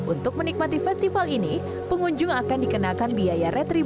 untuk menikmati festival ini pengunjung akan dikenakan biaya retribusi